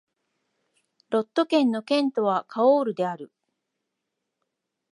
ロット県の県都はカオールである